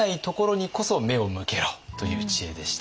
という知恵でした。